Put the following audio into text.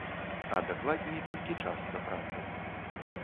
А дакладней, толькі частка праўды.